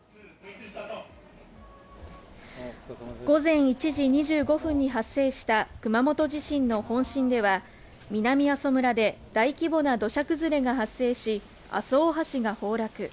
午前１時２５分に発生した熊本地震の本震では、南阿蘇村で大規模な土砂崩れが発生し、阿蘇大橋が崩落。